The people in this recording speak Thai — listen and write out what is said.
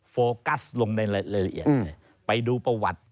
โฟกัสลงในรายละเอียดไปดูประวัติ